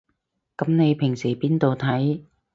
噉你平時邊度睇